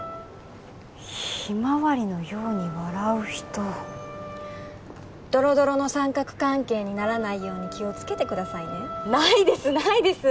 ひまわりのように笑う人ドロドロの三角関係にならないように気をつけてくださいねないですないです